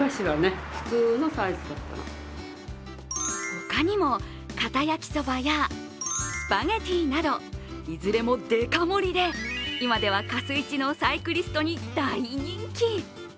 他にも、かた焼きそばやスパゲティなどいずれもデカ盛りで、今ではかすいちのサイクリストに大人気。